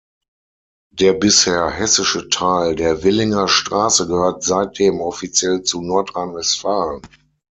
Der bisher hessische Teil der Willinger Straße gehört seitdem offiziell zu Nordrhein-Westfalen.